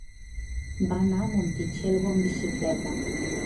Va anar a Montitxelvo amb bicicleta.